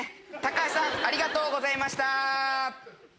タカハシさんありがとうございました。